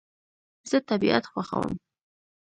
زه طبیعت خوښوم